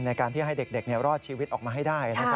ในการที่ให้เด็กรอดชีวิตออกมาให้ได้